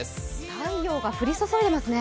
太陽が降り注いでますね。